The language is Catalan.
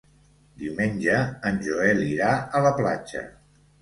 Diumenge en Joel irà a la platja.